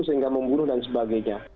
sehingga membunuh dan sebagainya